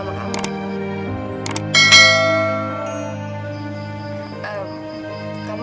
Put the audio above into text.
cuma sekarang aku bersyukur banget bisa kenal sama kamu